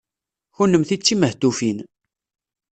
Kennemti d timehtufin.